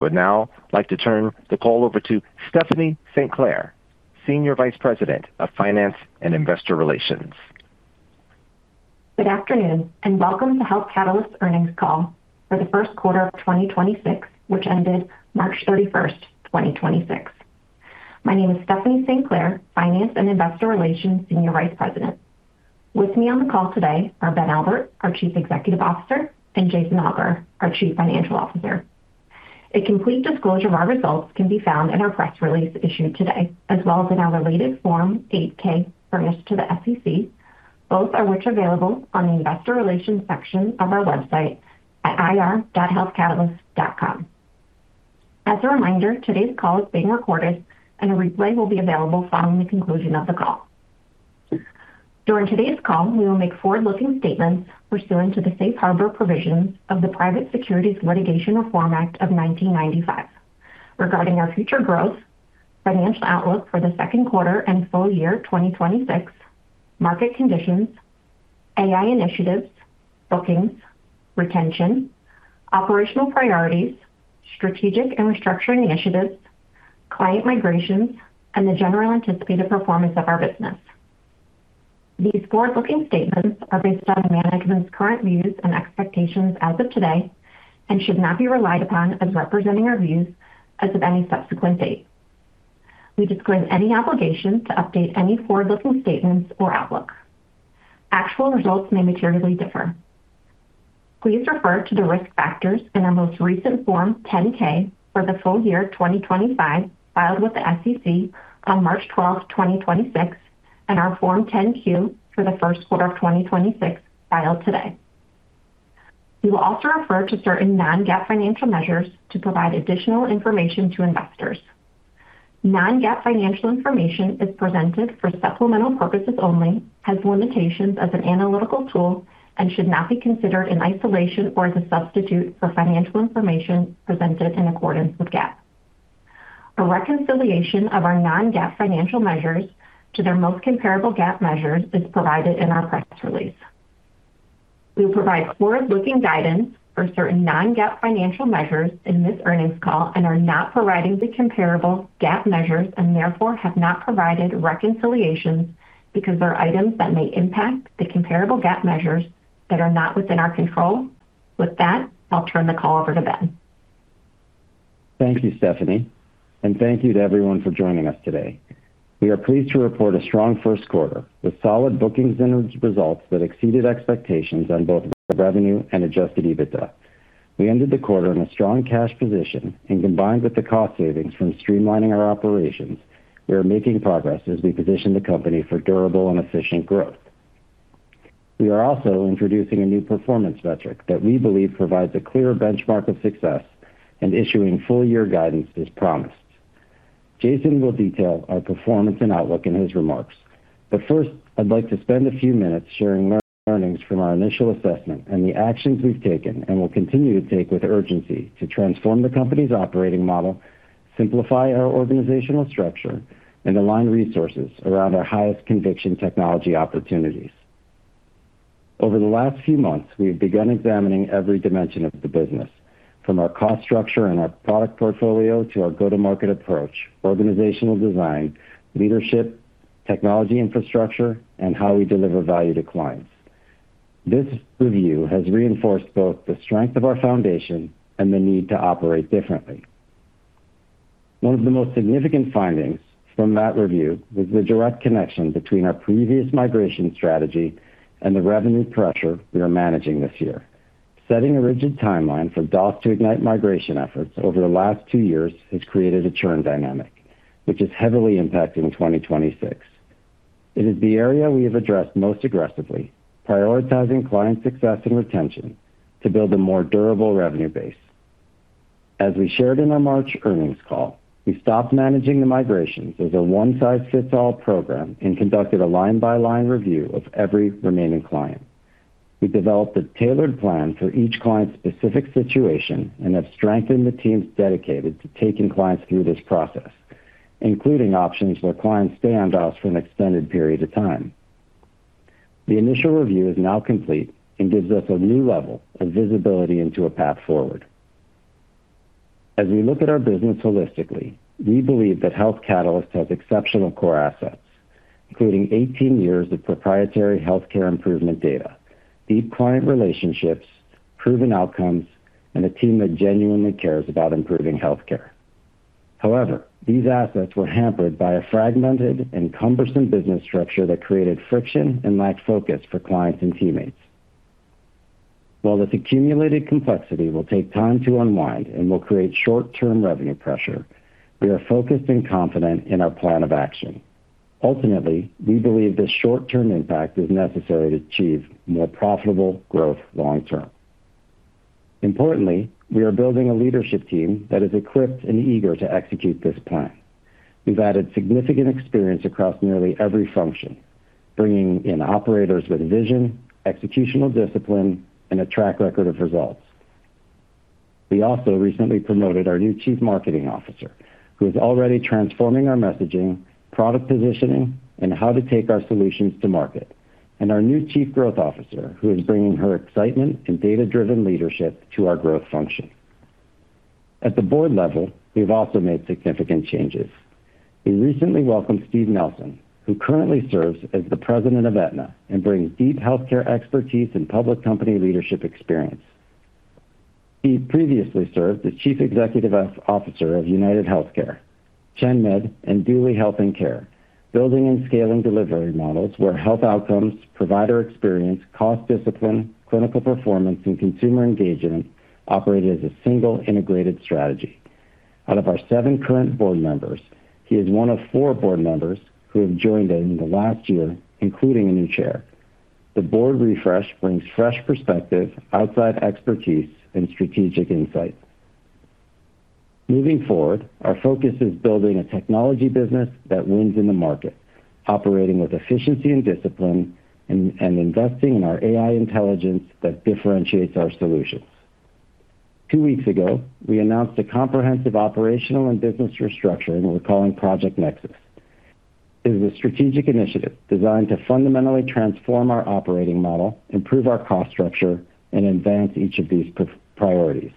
Would now like to turn the call over to Stephanie St. Clair, Senior Vice President of Finance and Investor Relations. Good afternoon, welcome to Health Catalyst earnings call for the first quarter of 2026, which ended March 31, 2026. My name is Stephanie St. Clair, Finance and Investor Relations Senior Vice President. With me on the call today are Ben Albert, our Chief Executive Officer, and Jason Alger, our Chief Financial Officer. A complete disclosure of our results can be found in our press release issued today, as well as in our related Form 8-K furnished to the SEC, both of which are available on the Investor Relations section of our website at ir.healthcatalyst.com. As a reminder, today's call is being recorded and a replay will be available following the conclusion of the call. During today's call, we will make forward-looking statements pursuant to the Safe Harbor Provisions of the Private Securities Litigation Reform Act of 1995 regarding our future growth, financial outlook for the second quarter and full year 2026, market conditions, AI initiatives, bookings, retention, operational priorities, strategic and restructuring initiatives, client migrations, and the general anticipated performance of our business. These forward-looking statements are based on management's current views and expectations as of today and should not be relied upon as representing our views as of any subsequent date. We disclaim any obligation to update any forward-looking statements or outlook. Actual results may materially differ. Please refer to the risk factors in our most recent Form 10-K for the full year 2025 filed with the SEC on March 12, 2026, and our Form 10-Q for the first quarter of 2026 filed today. We will also refer to certain non-GAAP financial measures to provide additional information to investors. Non-GAAP financial information is presented for supplemental purposes only, has limitations as an analytical tool, and should not be considered in isolation or as a substitute for financial information presented in accordance with GAAP. A reconciliation of our non-GAAP financial measures to their most comparable GAAP measures is provided in our press release. We will provide forward-looking guidance for certain non-GAAP financial measures in this earnings call and are not providing the comparable GAAP measures and therefore have not provided reconciliations because there are items that may impact the comparable GAAP measures that are not within our control. With that, I'll turn the call over to Ben. Thank you, Stephanie, thank you to everyone for joining us today. We are pleased to report a strong first quarter with solid bookings and results that exceeded expectations on both revenue and adjusted EBITDA. We ended the quarter in a strong cash position and combined with the cost savings from streamlining our operations, we are making progress as we position the company for durable and efficient growth. We are also introducing a new performance metric that we believe provides a clear benchmark of success and issuing full-year guidance as promised. Jason will detail our performance and outlook in his remarks. First, I'd like to spend a few minutes sharing learnings from our initial assessment and the actions we've taken and will continue to take with urgency to transform the company's operating model, simplify our organizational structure, and align resources around our highest conviction technology opportunities. Over the last few months, we have begun examining every dimension of the business, from our cost structure and our product portfolio to our go-to-market approach, organizational design, leadership, technology infrastructure, and how we deliver value to clients. This review has reinforced both the strength of our foundation and the need to operate differently. One of the most significant findings from that review was the direct connection between our previous migration strategy and the revenue pressure we are managing this year. Setting a rigid timeline for DOS to Ignite migration efforts over the last two years has created a churn dynamic, which is heavily impacting 2026. It is the area we have addressed most aggressively, prioritizing client success and retention to build a more durable revenue base. As we shared in our March earnings call, we stopped managing the migrations as a one-size-fits-all program and conducted a line-by-line review of every remaining client. We developed a tailored plan for each client's specific situation and have strengthened the teams dedicated to taking clients through this process, including options where clients stay on DOS for an extended period of time. The initial review is now complete and gives us a new level of visibility into a path forward. As we look at our business holistically, we believe that Health Catalyst has exceptional core assets, including 18 years of proprietary healthcare improvement data, deep client relationships, proven outcomes, and a team that genuinely cares about improving healthcare. However, these assets were hampered by a fragmented and cumbersome business structure that created friction and lacked focus for clients and teammates. While this accumulated complexity will take time to unwind and will create short-term revenue pressure, we are focused and confident in our plan of action. Ultimately, we believe this short-term impact is necessary to achieve more profitable growth long term. Importantly, we are building a leadership team that is equipped and eager to execute this plan. We've added significant experience across nearly every function, bringing in operators with vision, executional discipline, and a track record of results. We also recently promoted our new Chief Marketing Officer, who is already transforming our messaging, product positioning, and how to take our solutions to market. Our new Chief Growth Officer, who is bringing her excitement and data-driven leadership to our growth function. At the board level, we've also made significant changes. We recently welcomed Steve Nelson, who currently serves as the President of Aetna and brings deep healthcare expertise and public company leadership experience. He previously served as Chief Executive Officer of UnitedHealthcare, ChenMed, and Duly Health and Care, building and scaling delivery models where health outcomes, provider experience, cost discipline, clinical performance, and consumer engagement operate as a single integrated strategy. Out of our seven current board members, he is one of four board members who have joined in the last year, including a new chair. The board refresh brings fresh perspective, outside expertise, and strategic insight. Moving forward, our focus is building a technology business that wins in the market, operating with efficiency and discipline and investing in our Ignite Intelligence that differentiates our solutions. Two weeks ago, we announced a comprehensive operational and business restructuring we're calling Project Nexus. It is a strategic initiative designed to fundamentally transform our operating model, improve our cost structure, and advance each of these priorities.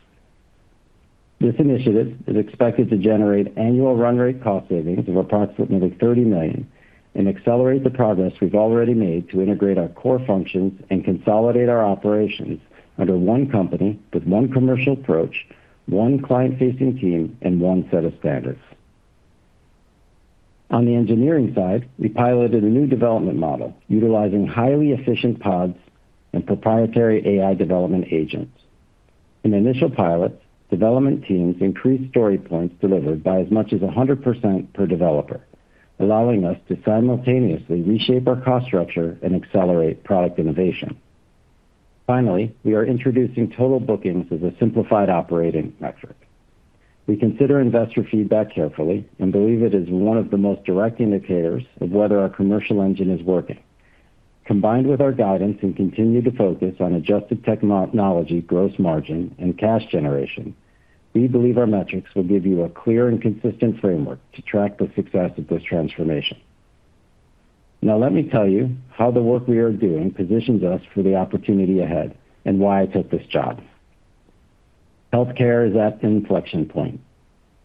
This initiative is expected to generate annual run rate cost savings of approximately $30 million and accelerate the progress we've already made to integrate our core functions and consolidate our operations under one company with one commercial approach, one client-facing team, and one set of standards. On the engineering side, we piloted a new development model utilizing highly efficient pods and proprietary AI development agents. In initial pilots, development teams increased story points delivered by as much as 100% per developer, allowing us to simultaneously reshape our cost structure and accelerate product innovation. Finally, we are introducing total bookings as a simplified operating metric. We consider investor feedback carefully and believe it is one of the most direct indicators of whether our commercial engine is working. Combined with our guidance and continued to focus on adjusted technology gross margin and cash generation, we believe our metrics will give you a clear and consistent framework to track the success of this transformation. Now let me tell you how the work we are doing positions us for the opportunity ahead and why I took this job. Healthcare is at an inflection point.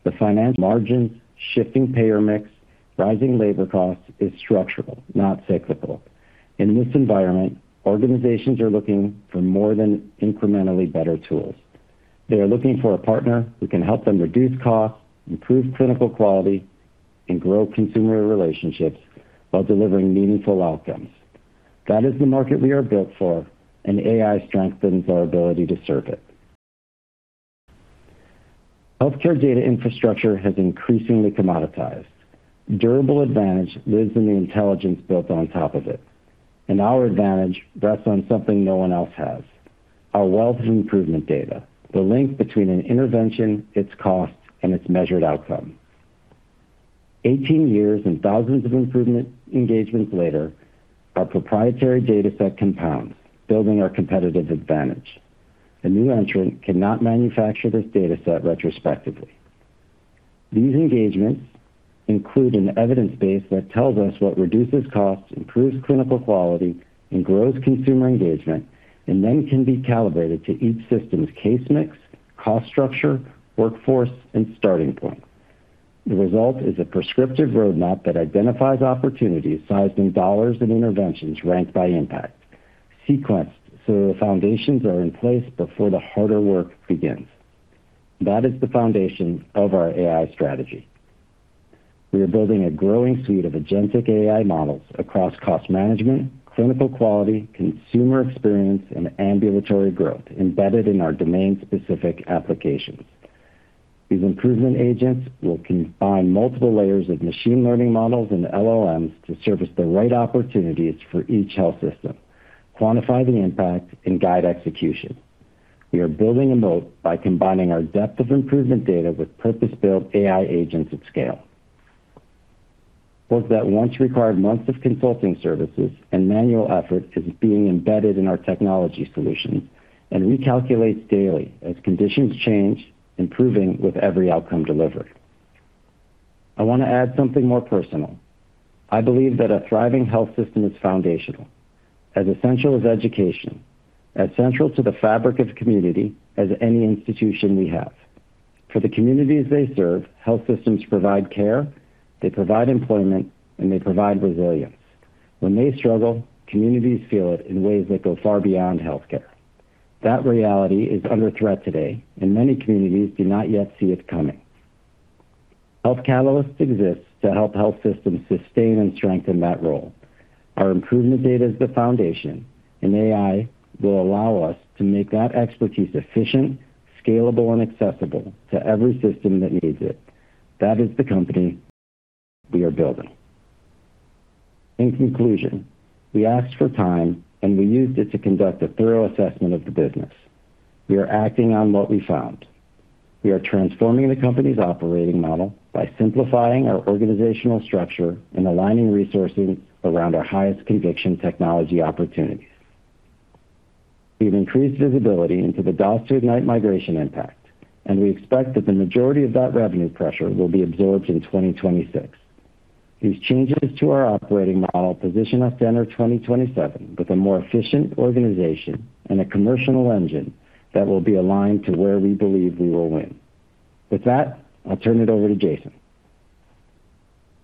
The finance margins, shifting payer mix, rising labor costs is structural, not cyclical. In this environment, organizations are looking for more than incrementally better tools. They are looking for a partner who can help them reduce costs, improve clinical quality, and grow consumer relationships while delivering meaningful outcomes. That is the market we are built for, and AI strengthens our ability to serve it. Healthcare data infrastructure has increasingly commoditized. Durable advantage lives in the intelligence built on top of it, and our advantage rests on something no one else has: our wealth of improvement data, the link between an intervention, its cost, and its measured outcome. 18 years and thousands of improvement engagements later, our proprietary data set compounds, building our competitive advantage. A new entrant cannot manufacture this data set retrospectively. These engagements include an evidence base that tells us what reduces costs, improves clinical quality, and grows consumer engagement, and then can be calibrated to each system's case mix, cost structure, workforce, and starting point. The result is a prescriptive roadmap that identifies opportunities sized in dollars and interventions ranked by impact, sequenced so the foundations are in place before the harder work begins. That is the foundation of our AI strategy. We are building a growing suite of agentic AI models across cost management, clinical quality, consumer experience, and ambulatory growth embedded in our domain-specific applications. These improvement agents will combine multiple layers of machine learning models and LLMs to surface the right opportunities for each health system, quantify the impact, and guide execution. We are building a moat by combining our depth of improvement data with purpose-built AI agents at scale. Work that once required months of consulting services and manual effort is being embedded in our technology solution and recalculates daily as conditions change, improving with every outcome delivered. I want to add something more personal. I believe that a thriving health system is foundational, as essential as education, as central to the fabric of community as any institution we have. For the communities they serve, health systems provide care, they provide employment, and they provide resilience. When they struggle, communities feel it in ways that go far beyond healthcare. That reality is under threat today, and many communities do not yet see it coming. Health Catalyst exists to help health systems sustain and strengthen that role. Our improvement data is the foundation, and AI will allow us to make that expertise efficient, scalable, and accessible to every system that needs it. That is the company we are building. In conclusion, we asked for time, and we used it to conduct a thorough assessment of the business. We are acting on what we found. We are transforming the company's operating model by simplifying our organizational structure and aligning resources around our highest conviction technology opportunities. We have increased visibility into the DOS to Ignite migration impact, and we expect that the majority of that revenue pressure will be absorbed in 2026. These changes to our operating model position us better 2027 with a more efficient organization and a commercial engine that will be aligned to where we believe we will win. With that, I'll turn it over to Jason.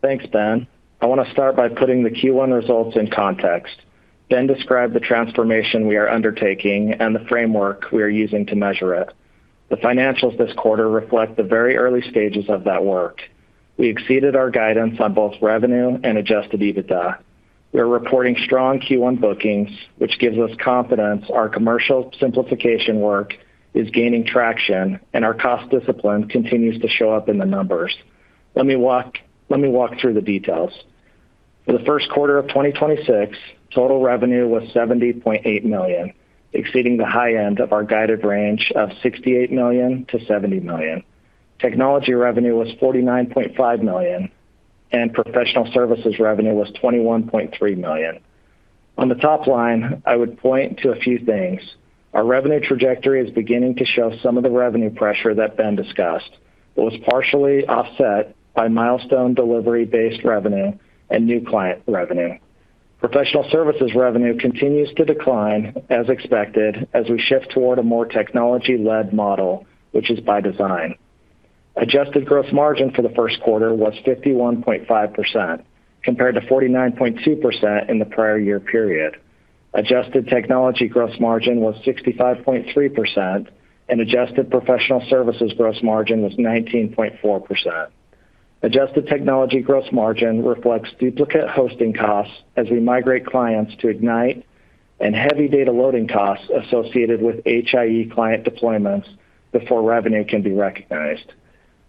Thanks, Ben. I wanna start by putting the Q1 results in context, then describe the transformation we are undertaking and the framework we are using to measure it. The financials this quarter reflect the very early stages of that work. We exceeded our guidance on both revenue and adjusted EBITDA. We're reporting strong Q1 bookings, which gives us confidence our commercial simplification work is gaining traction, and our cost discipline continues to show up in the numbers. Let me walk through the details. For the first quarter of 2026, total revenue was $70.8 million, exceeding the high end of our guided range of $68 million-$70 million. Technology revenue was $49.5 million, and professional services revenue was $21.3 million. On the top line, I would point to a few things. Our revenue trajectory is beginning to show some of the revenue pressure that Ben discussed. It was partially offset by milestone delivery-based revenue and new client revenue. Professional services revenue continues to decline as expected as we shift toward a more technology-led model, which is by design. Adjusted gross margin for the first quarter was 51.5% compared to 49.2% in the prior year period. Adjusted technology gross margin was 65.3%, and adjusted professional services gross margin was 19.4%. Adjusted technology gross margin reflects duplicate hosting costs as we migrate clients to Ignite and heavy data loading costs associated with HIE client deployments before revenue can be recognized.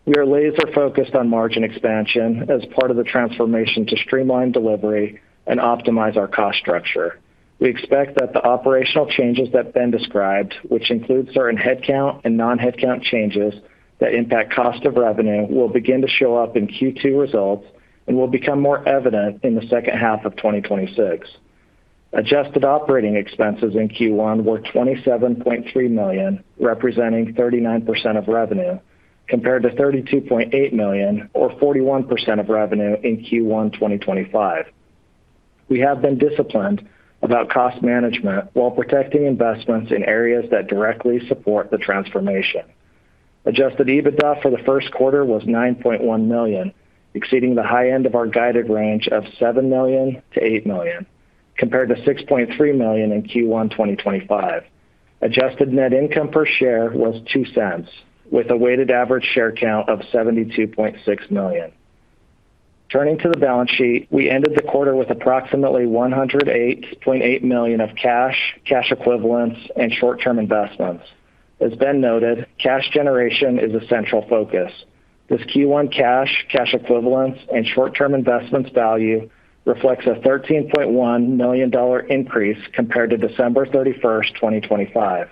We are laser-focused on margin expansion as part of the transformation to streamline delivery and optimize our cost structure. We expect that the operational changes that Ben described, which includes certain headcount and non-headcount changes that impact cost of revenue, will begin to show up in Q2 results and will become more evident in the second half of 2026. Adjusted operating expenses in Q1 were $27.3 million, representing 39% of revenue, compared to $32.8 million or 41% of revenue in Q1 2025. We have been disciplined about cost management while protecting investments in areas that directly support the transformation. Adjusted EBITDA for the first quarter was $9.1 million, exceeding the high end of our guided range of $7 million-$8 million, compared to $6.3 million in Q1 2025. Adjusted net income per share was $0.02, with a weighted average share count of 72.6 million. Turning to the balance sheet, we ended the quarter with approximately $108.8 million of cash equivalents, and short-term investments. As Ben noted, cash generation is a central focus. This Q1 cash equivalents, and short-term investments value reflects a $13.1 million increase compared to December 31, 2025.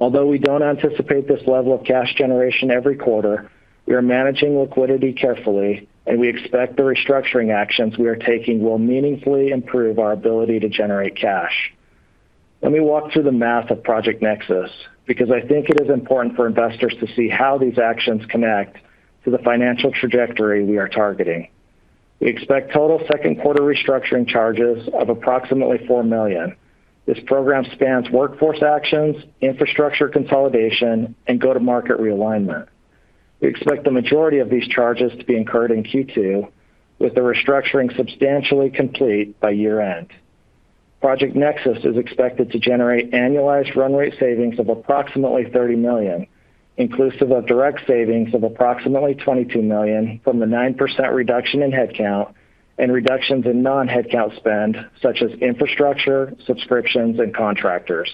Although we don't anticipate this level of cash generation every quarter, we are managing liquidity carefully, and we expect the restructuring actions we are taking will meaningfully improve our ability to generate cash. Let me walk through the math of Project Nexus, because I think it is important for investors to see how these actions connect to the financial trajectory we are targeting. We expect total second quarter restructuring charges of approximately $4 million. This program spans workforce actions, infrastructure consolidation, and go-to-market realignment. We expect the majority of these charges to be incurred in Q2, with the restructuring substantially complete by year-end. Project Nexus is expected to generate annualized run rate savings of approximately $30 million, inclusive of direct savings of approximately $22 million from the 9% reduction in headcount and reductions in non-headcount spend, such as infrastructure, subscriptions, and contractors,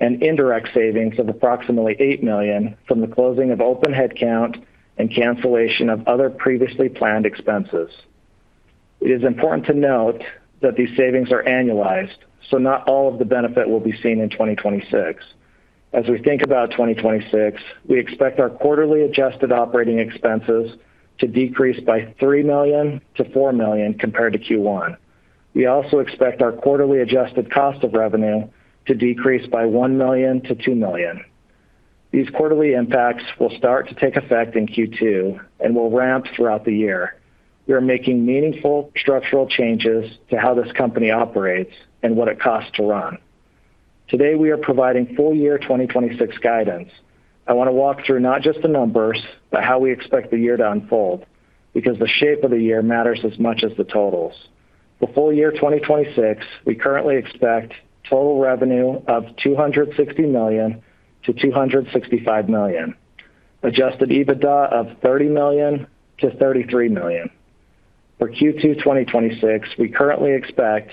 and indirect savings of approximately $8 million from the closing of open headcount and cancellation of other previously planned expenses. It is important to note that these savings are annualized, so not all of the benefit will be seen in 2026. As we think about 2026, we expect our quarterly adjusted operating expenses to decrease by $3 million-$4 million compared to Q1. We also expect our quarterly adjusted cost of revenue to decrease by $1 million-$2 million. These quarterly impacts will start to take effect in Q2 and will ramp throughout the year. We are making meaningful structural changes to how this company operates and what it costs to run. Today, we are providing full year 2026 guidance. I wanna walk through not just the numbers, but how we expect the year to unfold, because the shape of the year matters as much as the totals. The full year 2026, we currently expect total revenue of $260 million-$265 million, adjusted EBITDA of $30 million-$33 million. For Q2 2026, we currently expect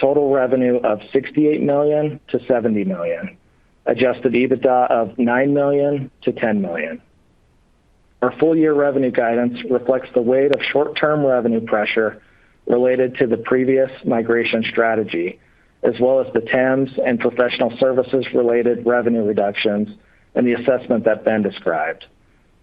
total revenue of $68 million-$70 million, adjusted EBITDA of $9 million-$10 million. Our full year revenue guidance reflects the weight of short-term revenue pressure related to the previous migration strategy, as well as the TAMS and professional services related revenue reductions and the assessment that Ben described.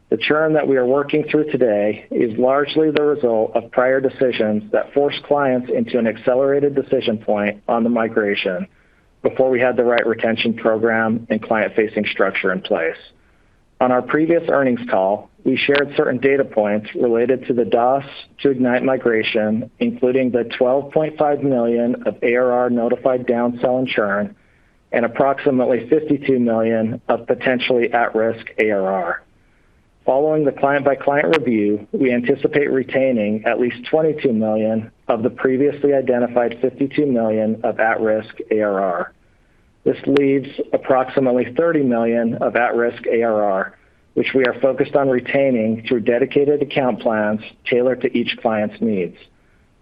The churn that we are working through today is largely the result of prior decisions that force clients into an accelerated decision point on the migration before we had the right retention program and client-facing structure in place. On our previous earnings call, we shared certain data points related to the DOS to Ignite migration, including the $12.5 million of ARR notified down sell churn and approximately $52 million of potentially at-risk ARR. Following the client-by-client review, we anticipate retaining at least $22 million of the previously identified $52 million of at-risk ARR. This leaves approximately $30 million of at-risk ARR, which we are focused on retaining through dedicated account plans tailored to each client's needs.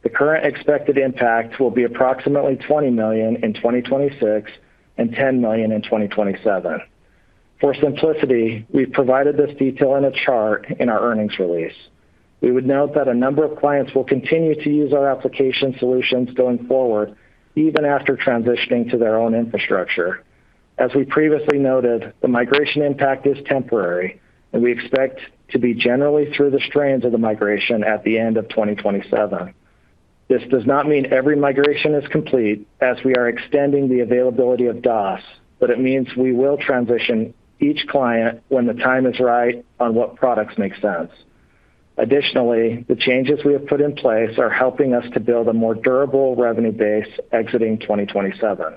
The current expected impact will be approximately $20 million in 2026 and $10 million in 2027. For simplicity, we've provided this detail in a chart in our earnings release. We would note that a number of clients will continue to use our application solutions going forward, even after transitioning to their own infrastructure. As we previously noted, the migration impact is temporary, and we expect to be generally through the strains of the migration at the end of 2027. This does not mean every migration is complete as we are extending the availability of DOS, but it means we will transition each client when the time is right on what products make sense. Additionally, the changes we have put in place are helping us to build a more durable revenue base exiting 2027.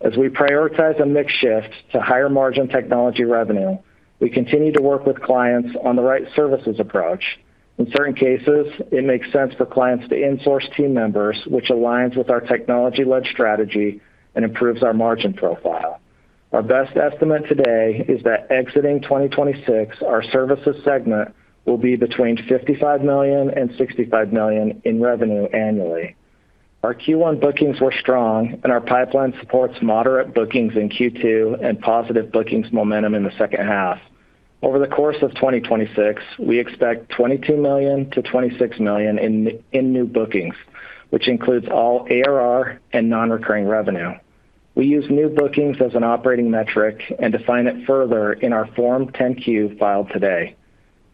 As we prioritize a mix shift to higher margin technology revenue, we continue to work with clients on the right services approach. In certain cases, it makes sense for clients to insource team members, which aligns with our technology-led strategy and improves our margin profile. Our best estimate today is that exiting 2026, our services segment will be between $55 million-$65 million in revenue annually. Our Q1 bookings were strong and our pipeline supports moderate bookings in Q2 and positive bookings momentum in the second half. Over the course of 2026, we expect $22 million-$26 million in new bookings, which includes all ARR and non-recurring revenue. We use new bookings as an operating metric and define it further in our Form 10-Q filed today.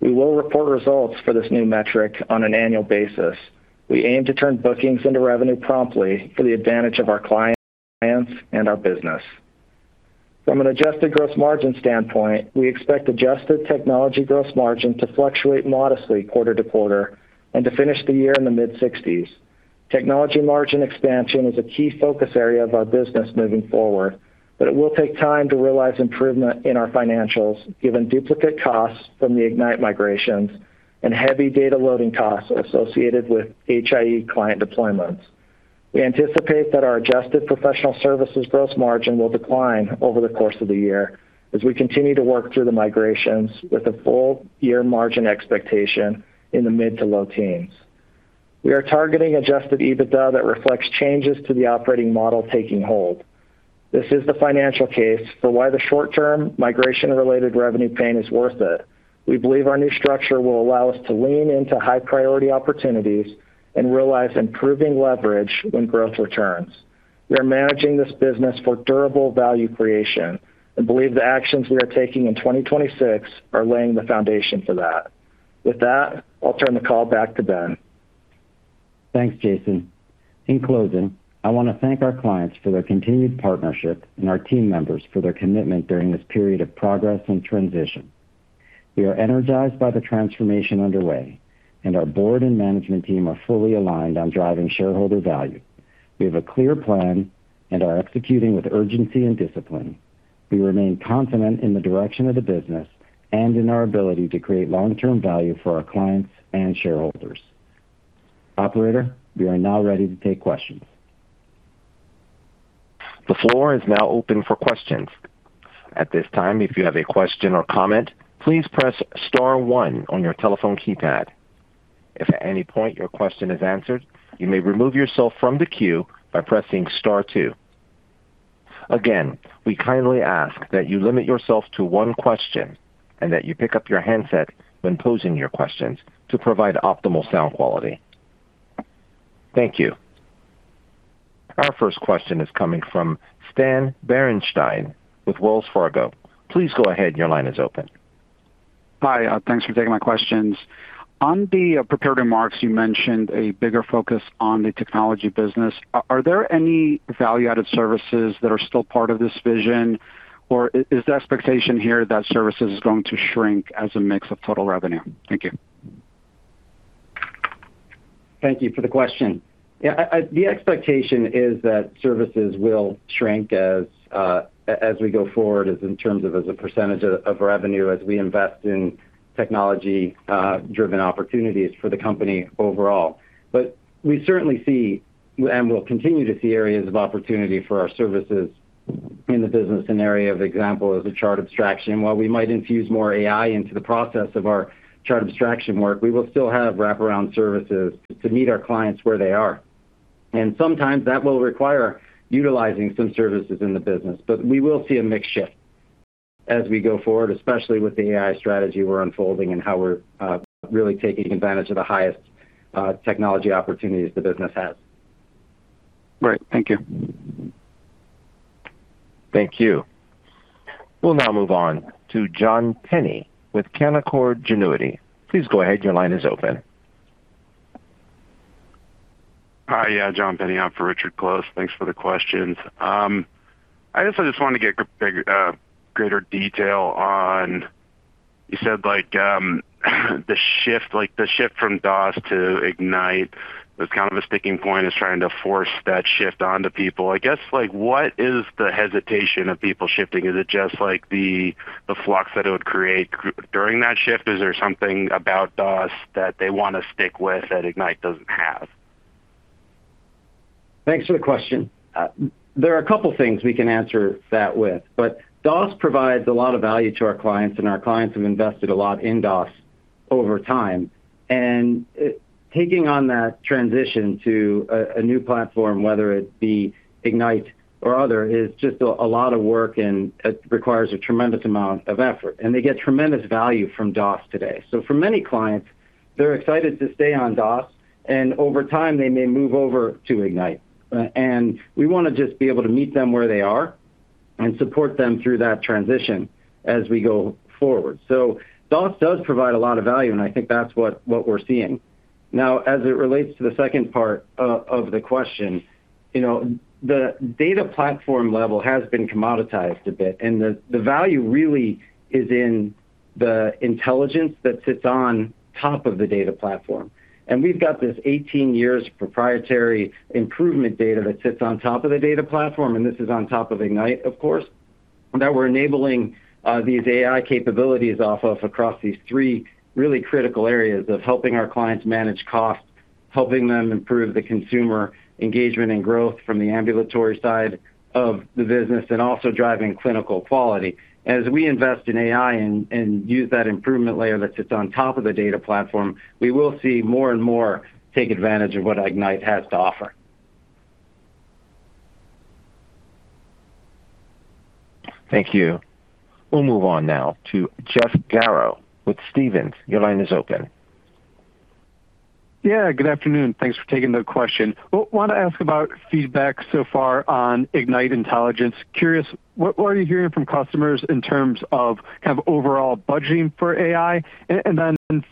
We will report results for this new metric on an annual basis. We aim to turn bookings into revenue promptly for the advantage of our clients and our business. From an adjusted gross margin standpoint, we expect adjusted technology gross margin to fluctuate modestly quarter to quarter and to finish the year in the mid-60s. Technology margin expansion is a key focus area of our business moving forward, but it will take time to realize improvement in our financials given duplicate costs from the Ignite migrations and heavy data loading costs associated with HIE client deployments. We anticipate that our adjusted professional services gross margin will decline over the course of the year as we continue to work through the migrations with a full year margin expectation in the mid to low teens. We are targeting adjusted EBITDA that reflects changes to the operating model taking hold. This is the financial case for why the short term migration-related revenue pain is worth it. We believe our new structure will allow us to lean into high priority opportunities and realize improving leverage when growth returns. We are managing this business for durable value creation and believe the actions we are taking in 2026 are laying the foundation for that. With that, I'll turn the call back to Ben. Thanks, Jason. In closing, I wanna thank our clients for their continued partnership and our team members for their commitment during this period of progress and transition. We are energized by the transformation underway, and our board and management team are fully aligned on driving shareholder value. We have a clear plan and are executing with urgency and discipline. We remain confident in the direction of the business and in our ability to create long-term value for our clients and shareholders. Operator, we are now ready to take questions. The floor is now open for questions. At this time, if you have a question or comment, press star one on your telephone keypad. If at any point your question is answered, you may remove yourself from the queue by pressing star two. Again, we kindly ask that you limit yourself to one question and that you pick up your handset when posing your questions to provide optimal sound quality. Thank you. Our first question is coming from Stan Berenshteyn with Wells Fargo. Please go ahead. Your line is open. Hi. Thanks for taking my questions. On the prepared remarks, you mentioned a bigger focus on the technology business. Are there any value-added services that are still part of this vision, or is the expectation here that services is going to shrink as a mix of total revenue? Thank you. Thank you for the question. The expectation is that services will shrink as we go forward as in terms of as a percentage of revenue as we invest in technology-driven opportunities for the company overall. We certainly see and will continue to see areas of opportunity for our services in the business. An area of example is a chart abstraction. While we might infuse more AI into the process of our chart abstraction work, we will still have wraparound services to meet our clients where they are. Sometimes that will require utilizing some services in the business, but we will see a mix shift as we go forward, especially with the AI strategy we're unfolding and how we're really taking advantage of the highest technology opportunities the business has. Great. Thank you. Thank you. We'll now move on to John Pinney with Canaccord Genuity. Please go ahead. Your line is open. Hi. Yeah, John Pinney on for Richard Close. Thanks for the questions. I guess I just wanted to get greater detail on. You said, like, the shift from DOS to Ignite was kind of a sticking point, is trying to force that shift onto people. I guess, like, what is the hesitation of people shifting? Is it just, like, the flux that it would create during that shift? Is there something about DOS that they wanna stick with that Ignite doesn't have? Thanks for the question. There are a couple things we can answer that with, DOS provides a lot of value to our clients, and our clients have invested a lot in DOS over time. Taking on that transition to a new platform, whether it be Ignite or other, is just a lot of work, and it requires a tremendous amount of effort. They get tremendous value from DOS today. For many clients, they're excited to stay on DOS, and over time, they may move over to Ignite. We wanna just be able to meet them where they are and support them through that transition as we go forward. DOS does provide a lot of value, and I think that's what we're seeing. Now, as it relates to the second part of the question, you know, the data platform level has been commoditized a bit, and the value really is in the intelligence that sits on top of the data platform. We've got this 18 years of proprietary improvement data that sits on top of the data platform, and this is on top of Ignite, of course, that we're enabling these AI capabilities off of across these three really critical areas of helping our clients manage costs, helping them improve the consumer engagement and growth from the ambulatory side of the business, and also driving clinical quality. As we invest in AI and use that improvement layer that sits on top of the data platform, we will see more and more take advantage of what Ignite has to offer. Thank you. We'll move on now to Jeff Garro with Stephens. Your line is open. Yeah, good afternoon. Thanks for taking the question. Wanna ask about feedback so far on Ignite Intelligence. Curious, what are you hearing from customers in terms of kind of overall budgeting for AI?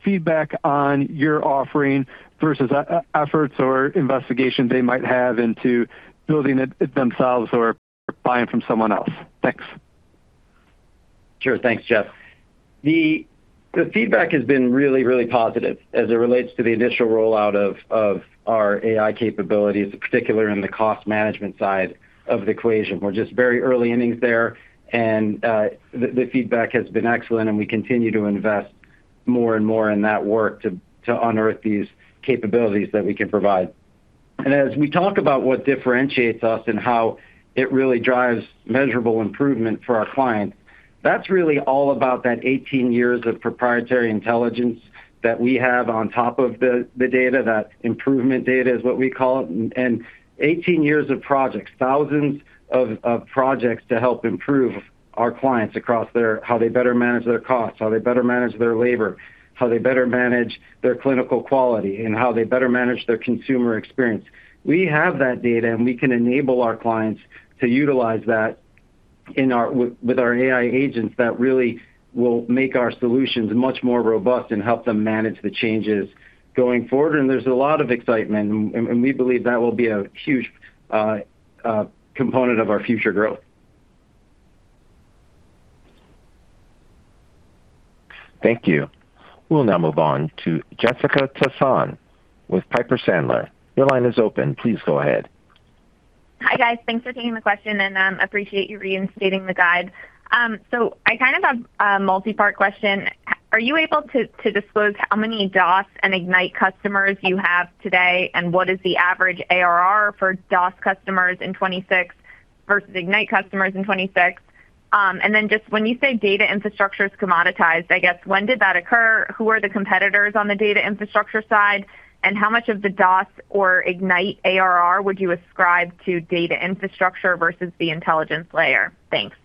Feedback on your offering versus efforts or investigations they might have into building it themselves or buying from someone else. Thanks. Sure. Thanks, Jeff. The feedback has been really positive as it relates to the initial rollout of our AI capabilities, particular in the cost management side of the equation. We're just very early innings there, the feedback has been excellent, we continue to invest more and more in that work to unearth these capabilities that we can provide. As we talk about what differentiates us and how it really drives measurable improvement for our clients, that's really all about that 18 years of proprietary intelligence that we have on top of the data. That improvement data is what we call it. 18 years of projects, thousands of projects to help improve our clients across their how they better manage their costs, how they better manage their labor, how they better manage their clinical quality, and how they better manage their consumer experience. We have that data, and we can enable our clients to utilize that with our AI agents that really will make our solutions much more robust and help them manage the changes going forward. There's a lot of excitement, and we believe that will be a huge component of our future growth. Thank you. We'll now move on to Jessica Tassan with Piper Sandler. Your line is open. Please go ahead. Hi, guys. Thanks for taking the question, and appreciate you reinstating the guide. I kind of have a multipart question. Are you able to disclose how many DOS and Ignite customers you have today, and what is the average ARR for DOS customers in 2026 versus Ignite customers in 2026? Just when you say data infrastructure is commoditized, I guess when did that occur? Who are the competitors on the data infrastructure side, and how much of the DOS or Ignite ARR would you ascribe to data infrastructure versus the intelligence layer? Thanks.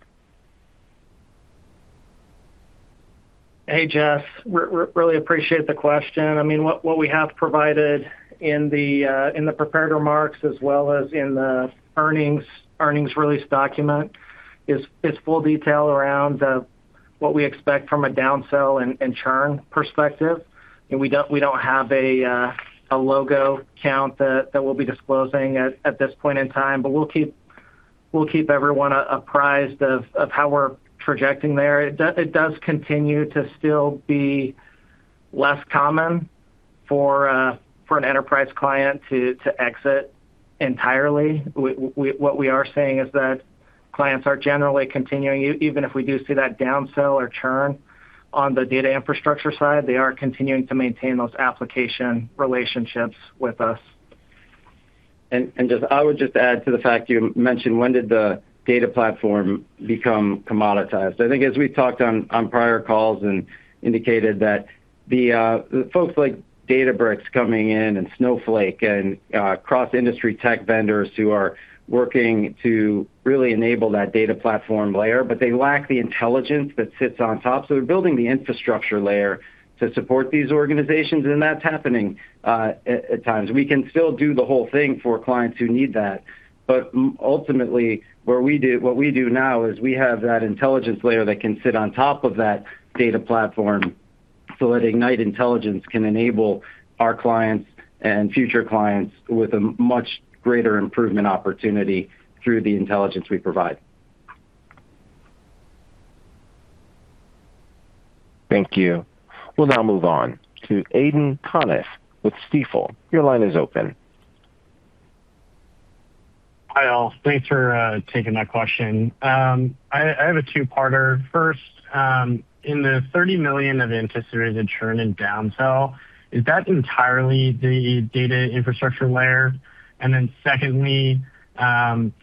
Hey, Jess. Really appreciate the question. I mean, what we have provided in the prepared remarks as well as in the earnings release document is full detail around what we expect from a downsell and churn perspective. We don't have a logo count that we'll be disclosing at this point in time, but we'll keep everyone apprised of how we're projecting there. It does continue to still be less common for an enterprise client to exit entirely. What we are saying is that clients are generally continuing, even if we do see that downsell or churn on the data infrastructure side, they are continuing to maintain those application relationships with us. I would just add to the fact you mentioned when did the data platform become commoditized. I think as we talked on prior calls and indicated that the folks like Databricks coming in and Snowflake and cross-industry tech vendors who are working to really enable that data platform layer, but they lack the intelligence that sits on top. They're building the infrastructure layer to support these organizations, and that's happening at times. We can still do the whole thing for clients who need that. Ultimately, what we do now is we have that intelligence layer that can sit on top of that data platform. That Ignite Intelligence can enable our clients and future clients with a much greater improvement opportunity through the intelligence we provide. Thank you. We'll now move on to Aidan Conniff with Stifel. Your line is open. Hi, all. Thanks for taking my question. I have a two-parter. First, in the $30 million of anticipated churn and down sell, is that entirely the data infrastructure layer? Secondly,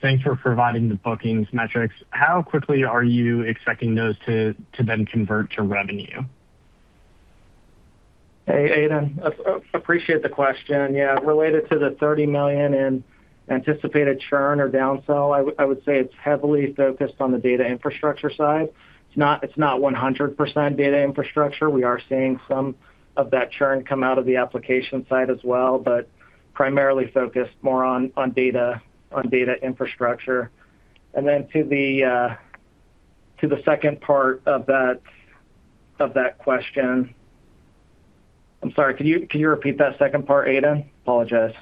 thanks for providing the bookings metrics. How quickly are you expecting those to then convert to revenue? Hey, Aidan. Appreciate the question. Yeah, related to the $30 million in anticipated churn or down sell, I would say it's heavily focused on the data infrastructure side. It's not 100% data infrastructure. We are seeing some of that churn come out of the application side as well. Primarily focused more on data infrastructure. Then to the second part of that question. I'm sorry, could you repeat that second part, Aidan? Apologize.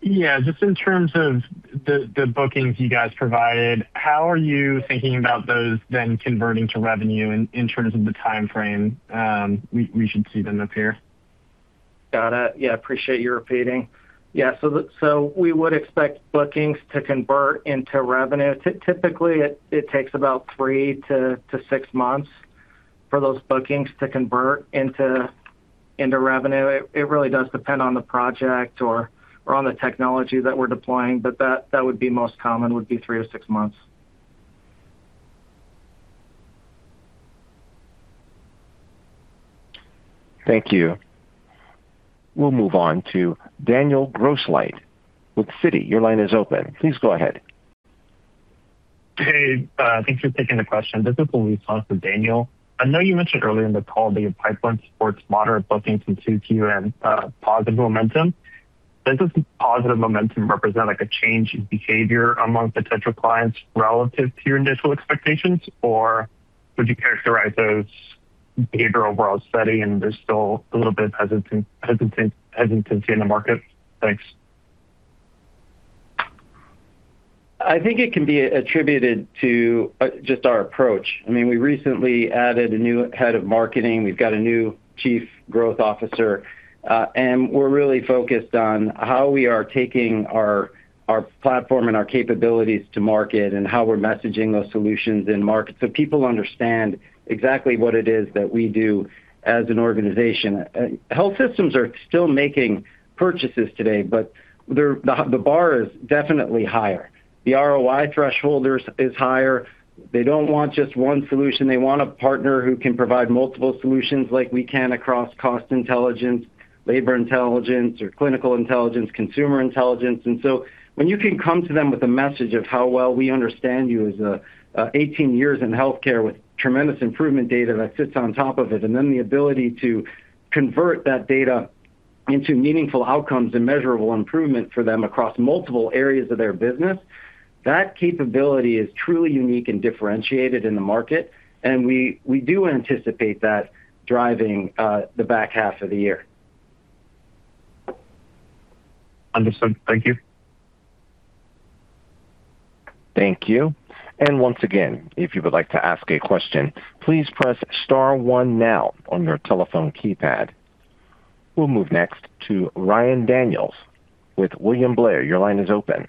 Yeah. Just in terms of the bookings you guys provided, how are you thinking about those then converting to revenue in terms of the timeframe, we should see them appear? Got it. Yeah, appreciate you repeating. We would expect bookings to convert into revenue. Typically, it takes about three to six months for those bookings to convert into revenue. It really does depend on the project or on the technology that we're deploying, but that would be most common, would be three to six months. Thank you. We'll move on to Daniel Grosslight with Citi. Your line is open. Please go ahead. Hey, thanks for taking the question. This is the response of Daniel. I know you mentioned earlier in the call that your pipeline supports moderate bookings in 2Q and positive momentum. Does this positive momentum represent, like, a change in behavior among potential clients relative to your initial expectations, or would you characterize those behavior overall steady and there's still a little bit hesitant hesitancy in the market? Thanks. I think it can be attributed to, just our approach. I mean, we recently added a new head of marketing. We've got a new chief growth officer, and we're really focused on how we are taking our platform and our capabilities to market and how we're messaging those solutions in market so people understand exactly what it is that we do as an organization. Health systems are still making purchases today, but the bar is definitely higher. The ROI threshold is higher. They don't want just one solution. They want a partner who can provide multiple solutions like we can across cost intelligence, labor intelligence or clinical intelligence, consumer intelligence. When you can come to them with a message of how well we understand you as a 18 years in healthcare with tremendous improvement data that sits on top of it, and then the ability to convert that data into meaningful outcomes and measurable improvement for them across multiple areas of their business, that capability is truly unique and differentiated in the market, and we do anticipate that driving the back half of the year. Understood. Thank you. Thank you. Once again, if you would like to ask a question, please press star one now on your telephone keypad. We'll move next to Ryan Daniels with William Blair. Your line is open.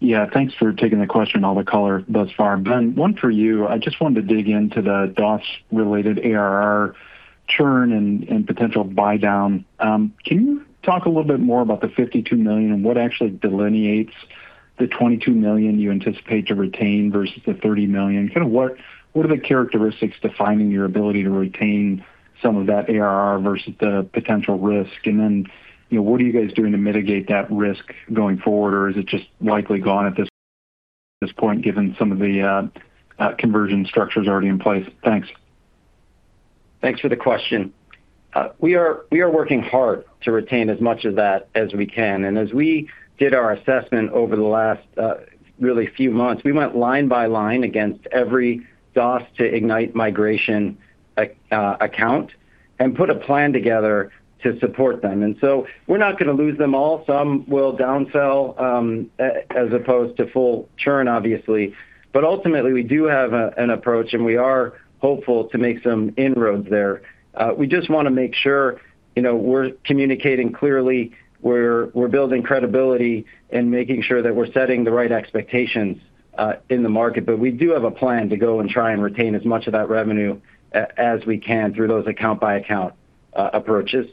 Yeah, thanks for taking the question, all the color thus far. Ben, one for you. I just wanted to dig into the DOS-related ARR churn and potential buy down. Can you talk a little bit more about the $52 million and what actually delineates the $22 million you anticipate to retain versus the $30 million? What are the characteristics defining your ability to retain some of that ARR versus the potential risk? Then, you know, what are you guys doing to mitigate that risk going forward, or is it just likely gone at this point given some of the conversion structures already in place? Thanks. Thanks for the question. We are working hard to retain as much of that as we can. As we did our assessment over the last really few months, we went line by line against every DOS to Ignite migration account and put a plan together to support them. We're not gonna lose them all. Some will down sell as opposed to full churn obviously. Ultimately, we do have an approach, and we are hopeful to make some inroads there. We just wanna make sure, you know, we're communicating clearly, we're building credibility and making sure that we're setting the right expectations in the market. We do have a plan to go and try and retain as much of that revenue as we can through those account-by-account approaches.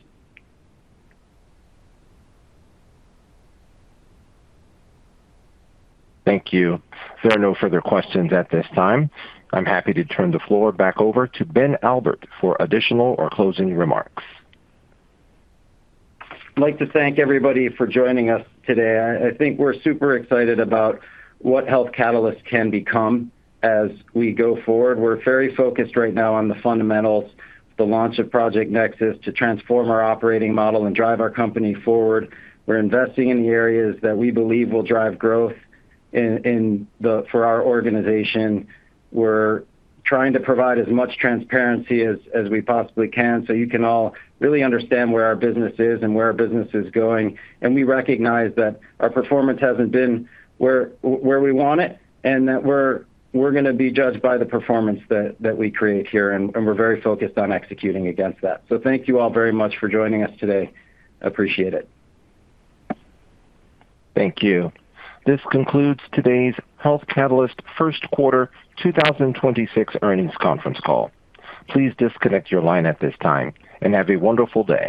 Thank you. There are no further questions at this time. I'm happy to turn the floor back over to Ben Albert for additional or closing remarks. I'd like to thank everybody for joining us today. I think we're super excited about what Health Catalyst can become as we go forward. We're very focused right now on the fundamentals, the launch of Project Nexus to transform our operating model and drive our company forward. We're investing in the areas that we believe will drive growth for our organization. We're trying to provide as much transparency as we possibly can so you can all really understand where our business is and where our business is going. We recognize that our performance hasn't been where we want it, and that we're gonna be judged by the performance that we create here, and we're very focused on executing against that. Thank you all very much for joining us today. Appreciate it. Thank you. This concludes today's Health Catalyst first quarter 2026 earnings conference call. Please disconnect your line at this time and have a wonderful day.